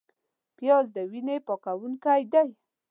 پیاز د وینې پاکوونکی دی